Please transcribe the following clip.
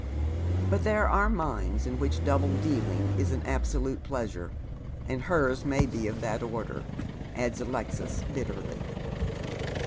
But there are minds to which double dealing is an absolute pleasure, and hers may be of that order," adds Alexis, oitterly.